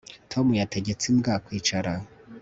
Tom yategetse imbwa kwicara